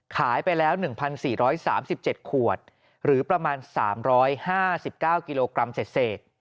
ขายไปแล้ว๑๔๓๗ขวดหรือประมาณ๓๕๙กิโลกรัมเศษ